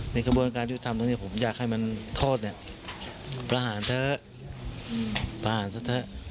กระบวนการยุทธรรมตรงนี้ผมอยากให้มันโทษเนี่ยประหารเถอะประหารซะเถอะ